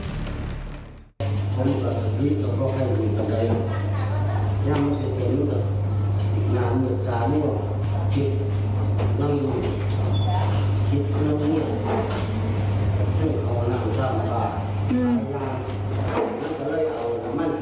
ตัวปลูกก็ไม่มีงานคำมีหนี้สินมีโรคประจำตัวลูกก็ไม่มีงานคำ